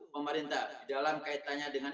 pemerintah dalam kaitannya dengan